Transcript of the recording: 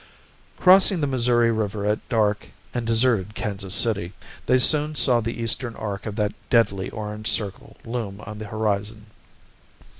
Crossing the Missouri River at dark and deserted Kansas City, they soon saw the eastern arc of that deadly orange circle loom on the horizon.